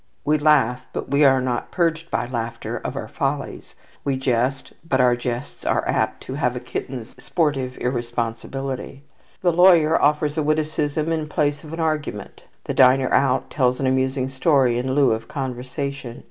We laugh, but we are not purged by laughter of our follies; we jest, but our jests are apt to have a kitten's sportive irresponsibility. The lawyer offers a witticism in place of an argument, the diner out tells an amusing story in lieu of conversation.